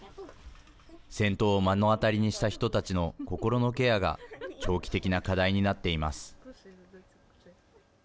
戦闘を目の当たりにした人たちの心のケアが長期的な課題になっています。